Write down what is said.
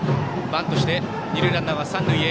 バントして二塁ランナー、三塁へ。